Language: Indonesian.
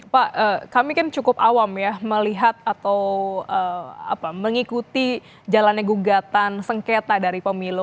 pak kami kan cukup awam ya melihat atau mengikuti jalannya gugatan sengketa dari pemilu